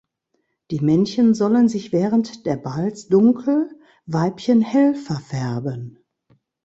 Die Männchen sollen sich während der Balz dunkel, Weibchen hell verfärben.